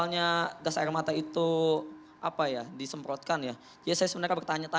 untuk ya pes fish hahaha